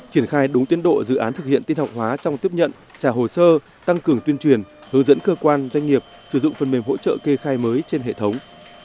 triển khai đúng tiến độ dự án thực hiện tin học hóa trong tiếp nhận trả hồ sơ tăng cường tuyên truyền hướng dẫn cơ quan doanh nghiệp sử dụng phần mềm hỗ trợ kê khai mới trên hệ thống